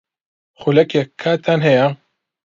خولەکێک کاتتان ھەیە؟